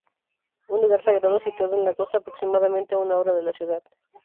Un lugar sagrado, situado en la costa aproximadamente a una hora de la ciudad.